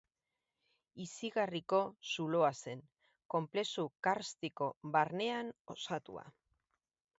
Izigarriko zuloa zen, konplexu karstiko barnean osatua.